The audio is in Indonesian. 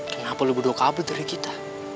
kenapa lo berdua kabel dari kita